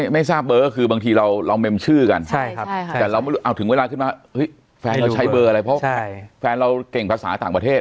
ไม่ทราบเบอร์ก็คือบางทีเราเมมชื่อกันแต่เราถึงเวลาขึ้นมาแฟนเราใช้เบอร์อะไรเพราะแฟนเราเก่งภาษาต่างประเทศ